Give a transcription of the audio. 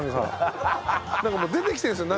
なんかもう出てきてるんですよ